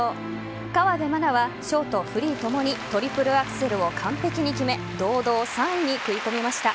河辺愛菜はショート、フリーともにトリプルアクセルを完璧に決め堂々３位に食い込みました。